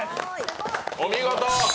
お見事！